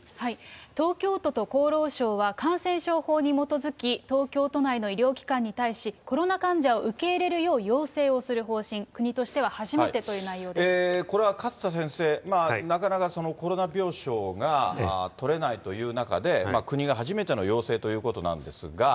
東京都と厚労省は感染症法に基づき、東京都内の医療機関に対し、コロナ患者を受け入れるよう要請をする方針、これは勝田先生、なかなかコロナ病床が取れないという中で、国が初めての要請ということなんですが。